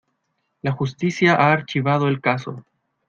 La justicia ha archivado el caso.